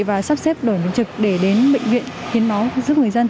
và sắp xếp đổi mới trực để đến bệnh viện hiến máu giúp người dân